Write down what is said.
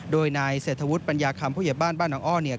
โดยนายเศรษฐวุฒิปัญญาคำผู้ใหญ่บ้านบ้านน้องอ้อเนี่ย